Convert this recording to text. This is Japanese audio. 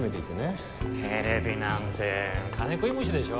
テレビなんて金食い虫でしょ？